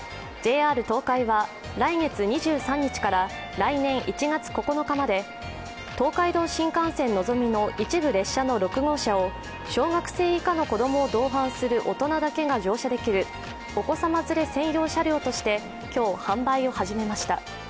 ＪＲ東海は来月２３日から来年１月９日まで東海道新幹線のぞみの一部列車の６号車を小学生以下の子供を同伴する大人だけが乗車できるお子さま連れ専用車両として今日販売を始めました。